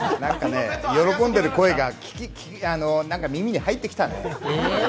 喜んでる声が耳に入ってきたね。